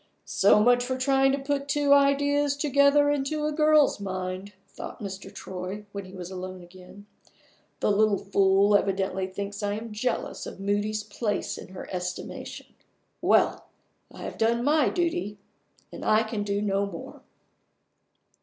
"So much for trying to put two ideas together into a girl's mind!" thought Mr. Troy, when he was alone again. "The little fool evidently thinks I am jealous of Moody's place in her estimation. Well! I have done my duty and I can do no more."